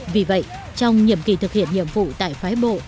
vì vậy trong nhiệm kỳ thực hiện nhiệm vụ tại phái bộ